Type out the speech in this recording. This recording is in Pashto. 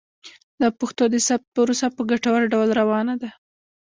د پښتو د ثبت پروسه په ګټور ډول روانه ده.